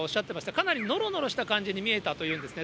かなりのろのろした感じに見えたということなんですね。